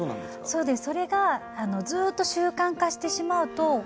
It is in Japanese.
そうです。